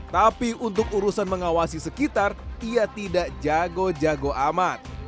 tapi untuk urusan mengawasi sekitar ia tidak jago jago amat